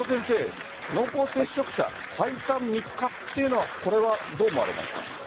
濃厚接触者最短３日というのはどう思われますか？